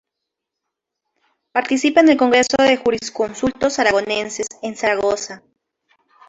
Participa en el Congreso de Jurisconsultos Aragoneses, en Zaragoza.